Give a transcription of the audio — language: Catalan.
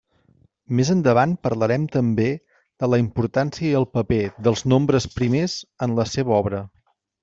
Més endavant parlarem també de la importància i el paper dels nombres primers en la seva obra.